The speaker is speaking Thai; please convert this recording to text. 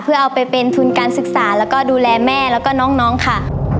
เพื่อเอาไปเป็นทุนการศึกษาแล้วก็ดูแลแม่แล้วก็น้องค่ะ